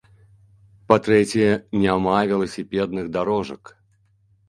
Па-трэцяе, няма веласіпедных дарожак.